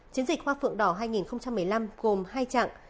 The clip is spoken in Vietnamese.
chiến dịch hoa phượng đỏ hai nghìn một mươi năm gồm hai chặng